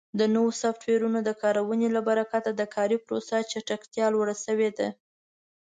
د نوو سافټویرونو د کارونې له برکت د کاري پروسو چټکتیا لوړه شوې ده.